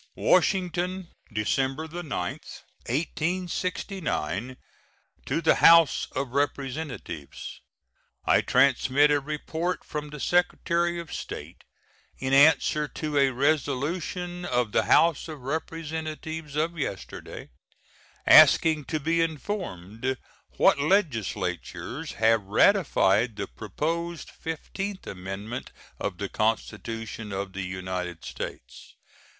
WASHINGTON, December 9, 1869. To the House of Representatives: I transmit a report from the Secretary of State, in answer to a resolution of the House of Representatives of yesterday, asking to be informed what legislatures have ratified the proposed fifteenth amendment of the Constitution of the United States.